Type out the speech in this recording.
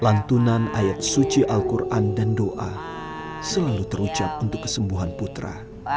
lantunan ayat suci al quran dan doa selalu terucap untuk kesembuhan putra